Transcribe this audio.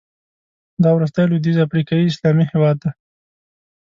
دا وروستی لوېدیځ افریقایي اسلامي هېواد دی.